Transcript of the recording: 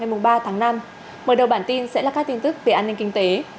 ngày ba tháng năm mở đầu bản tin sẽ là các tin tức về an ninh kinh tế